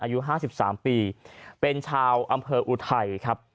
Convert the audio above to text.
อายุ๕๓ปีเป็นชาวอำเภออุทัยครับ